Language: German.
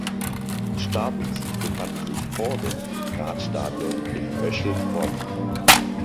Start und Ziel befanden sich vor dem Radstadion in Öschelbronn.